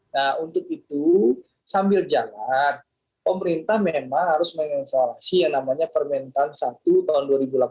nah untuk itu sambil jalan pemerintah memang harus mengevaluasi yang namanya permintaan satu tahun dua ribu delapan belas